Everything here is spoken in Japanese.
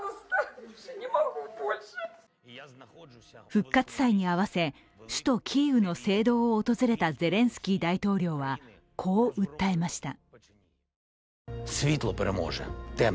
復活祭に合わせ首都キーウの聖堂を訪れたゼレンスキー大統領は、こう訴えました。